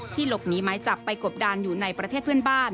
หลบหนีไม้จับไปกบดานอยู่ในประเทศเพื่อนบ้าน